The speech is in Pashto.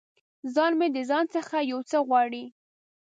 ځان مې د ځان څخه یو څه غواړي